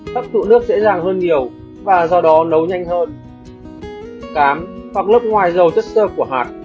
hấp thụ nước dễ dàng hơn nhiều và do đó nấu nhanh hơn cám hoặc lớp ngoài dầu chất sơ của hạt